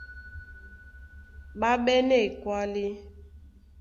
Ɓá ɓɛ́nɛ́ ekwálí,